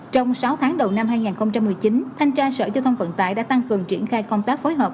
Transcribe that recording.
trong sáu tháng đầu năm hai nghìn một mươi chín thanh tra sở giao thông vận tải đã tăng cường triển khai công tác phối hợp